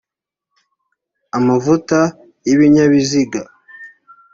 amavuta y’ibinyabiziga